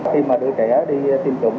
khi mà đưa trẻ đi tiêm chủng